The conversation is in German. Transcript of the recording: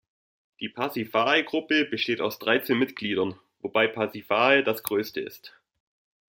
Die Pasiphae-Gruppe besteht aus dreizehn Mitgliedern, wobei Pasiphae das größte ist.